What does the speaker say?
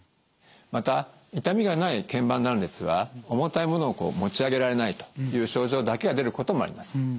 また痛みがない腱板断裂は重たいものを持ち上げられないという症状だけが出ることもあります。